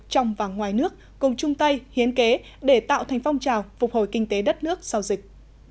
trong và ngoài nước cùng chung tay hiến kế để tạo thành phong trào phục hồi kinh tế đất nước sau dịch